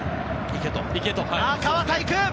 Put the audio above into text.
河田行く！